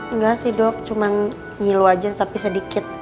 enggak sih dok cuman nyilu aja tapi sedikit